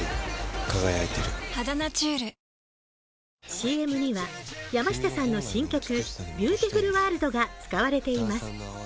ＣＭには山下さんの新曲「ＢｅａｕｔｉｆｕｌＷｏｒｌｄ」が使われています。